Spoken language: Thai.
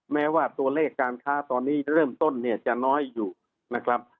แม้ว่าตัวเลขการค้าตอนนี้เริ่มต้นเนี่ยจะน้อยอยู่นะครับ